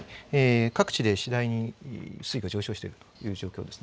各地で次第に水位が上昇しているという状況です。